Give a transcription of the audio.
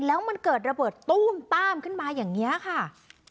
แล้วมันเกิดระเบิดตู้มต้ามขึ้นมาอย่างนี้ค่ะ